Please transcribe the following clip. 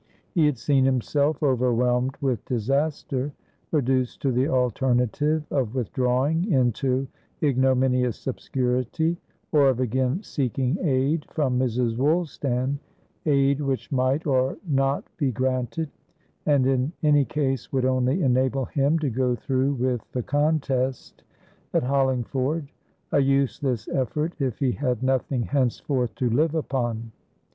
He had seen himself overwhelmed with disaster, reduced to the alternative of withdrawing into ignominious obscurity or of again seeking aid from Mrs. Woolstan, aid which might or not be granted, and in any case would only enable him to go through with the contest at Hollingford, a useless effort if he had nothing henceforth to live upon.